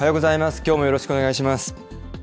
きょうもよろしくお願いします。